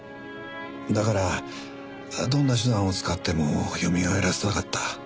だからどんな手段を使ってもよみがえらせたかった。